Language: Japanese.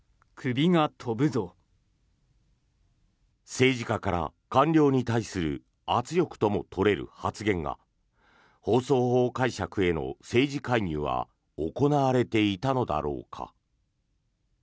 政治家から官僚に対する圧力とも取れる発言が放送法解釈への政治介入は行われていたのだろうか。